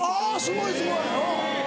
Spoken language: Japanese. すごいすごいうん。